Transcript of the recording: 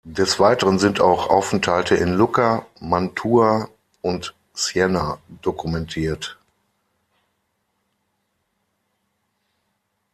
Des Weiteren sind auch Aufenthalte in Lucca, Mantua und Siena dokumentiert.